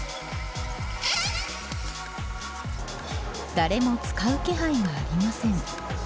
誰も使う気配がありません。